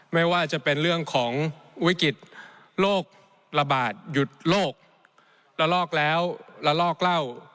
ไม่ว่าจะเป็นเรื่องของวิกฤตโรคระบาดหยุดโลกละลอกแล้วระลอกเหล้า